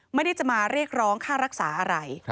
ไม่ได้จะมาเรียกร้องค่ารักษาอะไร